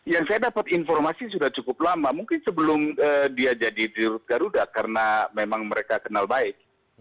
yang saya dapat informasi sudah cukup lama mungkin sebelum dia jadi dirut garuda karena memang mereka kenal baik